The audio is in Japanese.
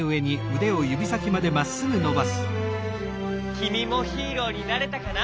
きみもヒーローになれたかな？